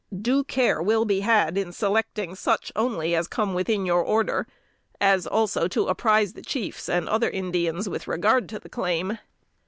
Due care will be had in selecting such only as come within your order, as also to apprise the chiefs and other Indians with regard to the claim.